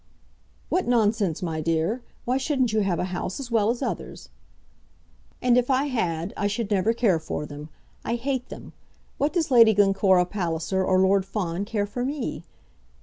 "What nonsense, my dear! Why shouldn't you have a house as well as others?" "And if I had, I should never care for them. I hate them. What does Lady Glencora Palliser or Lord Fawn care for me?"